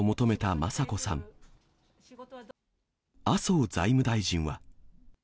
麻生財務大臣は。